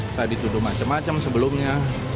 saya dituduh macam macam sebelumnya